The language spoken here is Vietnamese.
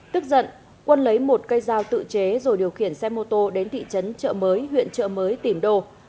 tức giận quân lấy một cây dao tự chế rồi điều khiển xe mô tô đến thị trấn trợ mới huyện trợ mới tìm đô